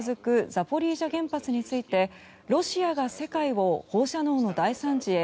ザポリージャ原発についてロシアが世界を放射能の大惨事へ